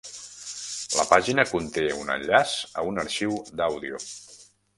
La pàgina conté un enllaç a un arxiu d'àudio